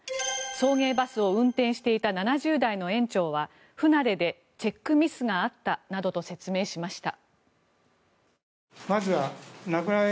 送迎バスを運転していた７０代の園長は不慣れでチェックミスがあったなどと説明しました。